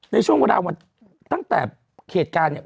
ในช่วงเวลาวันตั้งแต่เหตุการณ์เนี่ย